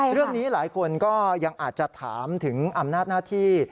เรื่องนี้หลายคนก็ยังอาจจะถามถึงอำนาจหน้าที่